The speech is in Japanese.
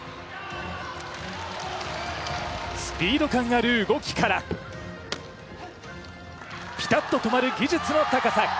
スピード感ある動きから、ピタッと止まる技術の高さ。